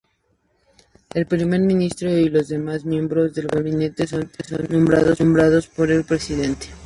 El primer ministro y los demás miembros del gabinete son nombrados por el presidente.